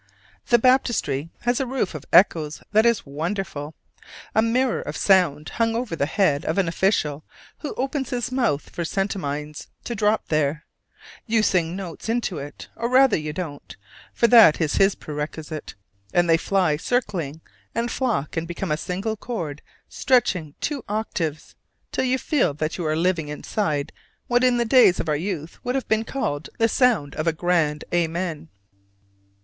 The Baptistry has a roof of echoes that is wonderful, a mirror of sound hung over the head of an official who opens his mouth for centimes to drop there. You sing notes up into it (or rather you don't, for that is his perquisite), and they fly circling, and flock, and become a single chord stretching two octaves: till you feel that you are living inside what in the days of our youth would have been called "the sound of a grand Amen."